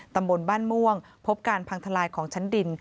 ตำบลบ้านม่วงพบการพังทลายของชั้นดิน